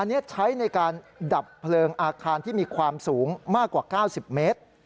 อันนี้ใช้ในการดับเพลิงอาคารที่มีความสูงมากกว่า๙๐เมตร